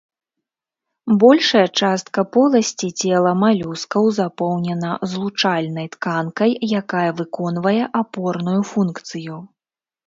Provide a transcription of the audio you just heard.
Большая частка поласці цела малюскаў запоўнена злучальнай тканкай, якая выконвае апорную функцыю.